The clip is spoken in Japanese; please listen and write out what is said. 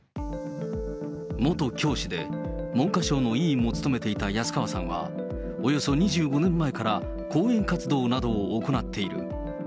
元教師で文科省の委員も務めていた安川さんは、およそ２５年前から、講演活動などを行っている。